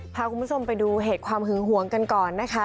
พาคุณผู้ชมไปดูเหตุความหึงหวงกันก่อนนะคะ